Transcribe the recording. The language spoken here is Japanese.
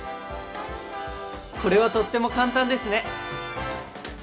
これはとっても簡単ですね！